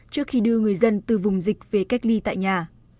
trước khi đưa người dân từ vùng dịch về cách ly tại nhà